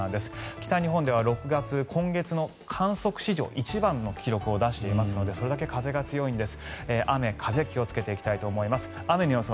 北日本では６月、今月の観測史上１番の記録を出していますのでそれだけ風が強いんです。